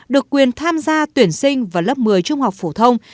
được quyền tham gia tuyển sinh vào lớp một mươi trung học phổ thông